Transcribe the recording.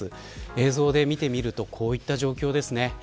映像で見てみるとこういった状況です。